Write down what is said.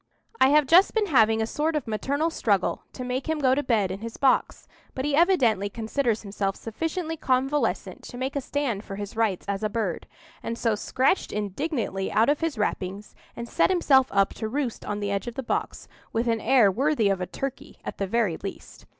"I have just been having a sort of maternal struggle to make him go to bed in his box; but he evidently considers himself sufficiently convalescent to make a stand for his rights as a bird, and so scratched indignantly out of his wrappings, and set himself up to roost on the edge of the box, with an air worthy of a turkey, at the very least.